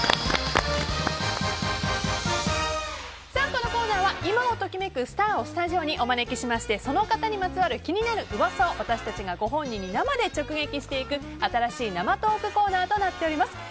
このコーナーは今を時めくスターをスタジオにお招きしてその方にまつわる気になる噂を私たちがご本人に生で直撃していく新しい生トークコーナーです。